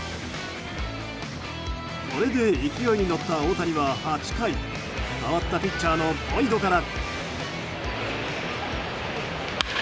これで勢いに乗った大谷は８回代わったピッチャーのボイドから。